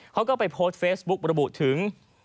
เขาก็ไปโพสต์เฟซบุ๊กระบุถึง